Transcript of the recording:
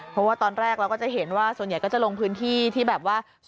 เพราะว่าตอนแรกเราก็จะเห็นว่าส่วนใหญ่ก็จะลงพื้นที่ที่แบบว่า